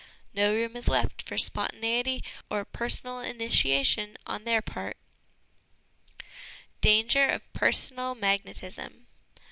No room is left for spontaneity or personal initiation on their part Danger of Personal Magnetism.